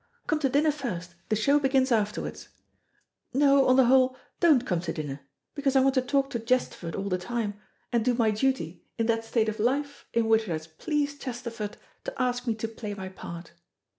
Come to dinner first, the Show begins afterwards. No, on the whole, don't come to dinner, because I want to talk to Chesterford all the time, and do my duty in that state of life in which it has pleased Chesterford to ask me to play my part.